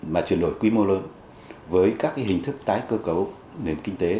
mà chuyển đổi quy mô lớn với các hình thức tái cơ cấu nền kinh tế